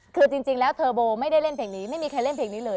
คือจริงแล้วเทอร์โบไม่ได้เล่นเพลงนี้ไม่มีใครเล่นเพลงนี้เลย